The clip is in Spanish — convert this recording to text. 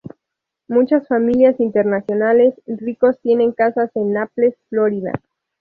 Muchas familias internacionales ricos tienen casas en Naples, Florida.